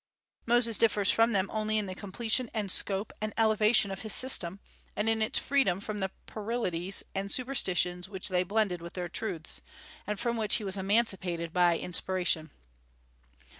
Moses differs from them only in the completion and scope and elevation of his system, and in its freedom from the puerilities and superstitions which they blended with their truths, and from which he was emancipated by inspiration.